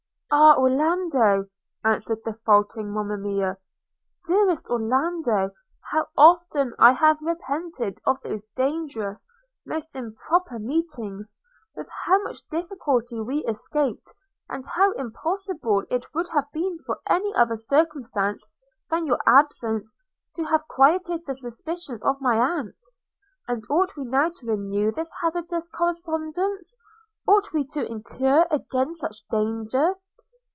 'Ah, Orlando!' answered the faltering Monimia, 'dearest Orlando! how often have I repented of those dangerous, those improper meetings; with how much difficulty we escaped, and how impossible it would have been for any other circumstance than your absence to have quieted the suspicions of my aunt! – And ought we now to renew this hazardous correspondence – ought we to incur again such danger?'